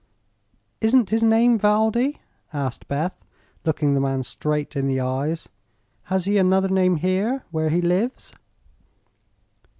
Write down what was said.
"Isn't his name Valdi?" asked Beth, looking the man straight in the eyes. "Has he another name here, where he lives?"